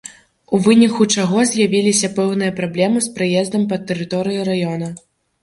У выніку чаго з'явіліся пэўныя праблемы з праездам па тэрыторыі раёна.